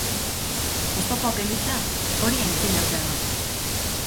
Oztopoak gainditzea, hori aitzinatzea da.